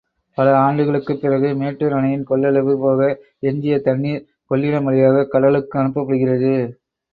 பல ஆண்டுகளுக்குப் பிறகு மேட்டூர் அணையின் கொள்ளளவு போக எஞ்சிய தண்ணீர் கொள்ளிடம் வழியாகக் கடலுக்கு அனுப்பப்படுகிறது!